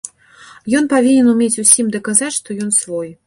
Ён павінен умець усім даказаць, што ён свой.